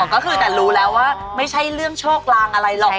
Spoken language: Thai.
ก็คือแต่รู้แล้วว่าไม่ใช่เรื่องโชคลางอะไรหรอก